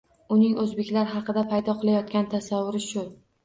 Uning oʻzbeklar haqida paydo qilayotgan tasavvuri shu.